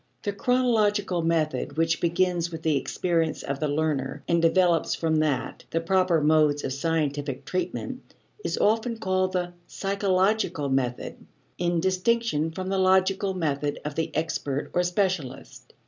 The chronological method which begins with the experience of the learner and develops from that the proper modes of scientific treatment is often called the "psychological" method in distinction from the logical method of the expert or specialist.